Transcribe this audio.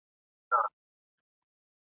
هسي نه چي په پردۍ سجده بد نام سو !.